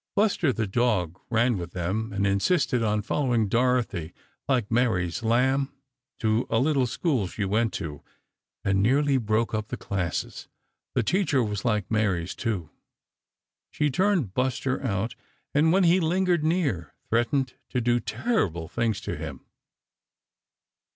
Buster, the dog, ran with them, and insisted on following Dorothy, like Mary's lamb, to a little school she went to, and nearly broke up the classes. The teacher was like Mary's, too. She turned Buster out, and when he "lingered near," threatened to do terrible things to him.